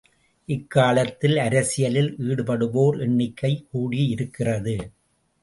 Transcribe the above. இக்காலத்தில் அரசியலில் ஈடுபடுவோர் எண்ணிக்கை கூடியிருக்கிறது.